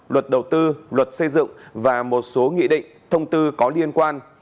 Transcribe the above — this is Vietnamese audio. luật đầu tư luật xây dựng và một số nghị định thông tư có liên quan